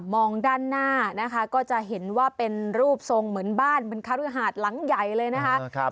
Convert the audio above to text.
มองด้านหน้านะคะก็จะเห็นว่าเป็นรูปทรงเหมือนบ้านบรรคฤหาดหลังใหญ่เลยนะคะ